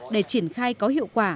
để triển khai có hiệu quả